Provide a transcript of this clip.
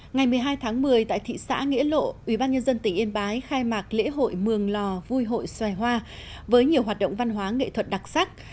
ngày một mươi hai tháng một mươi tại thị xã nghĩa lộ ubnd tỉnh yên bái khai mạc lễ hội mường lò vui hội xoài hoa với nhiều hoạt động văn hóa nghệ thuật đặc sắc